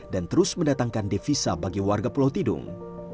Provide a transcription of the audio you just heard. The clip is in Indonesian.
dan terus mendatangkan devisa bagi warga pulau tidung